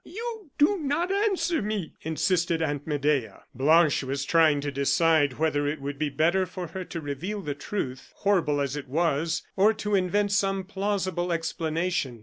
"You do not answer me," insisted Aunt Medea. Blanche was trying to decide whether it would be better for her to reveal the truth, horrible as it was, or to invent some plausible explanation.